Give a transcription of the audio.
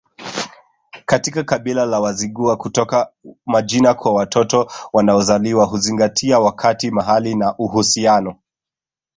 Katika kabila la Wazigua kutoa majina kwa watoto wanaozaliwa huzingatia wakati mahali na uhusiano